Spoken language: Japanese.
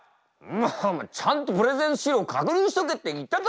お前ちゃんとプレゼン資料確認しとけって言っただろ！